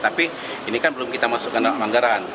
tapi ini kan belum kita masukkan dalam anggaran